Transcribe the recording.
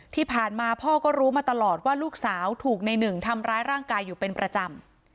ที่ผ่านมาพ่อก็รู้มาตลอดว่าลูกสาวถูกในหนึ่งทำร้ายร่างกายอยู่เป็นประจำ